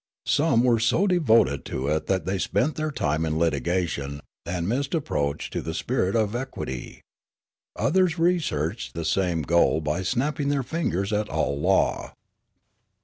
Some were so devoted to it that they spent their time in litigation and missed approach to the spirit of equity ; others reached the same goal b}' snapping their fingers at all law.